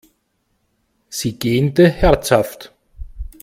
Sie gähnte herzhaft.